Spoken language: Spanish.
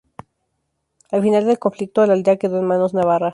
Al final del conflicto la aldea quedó en manos navarras.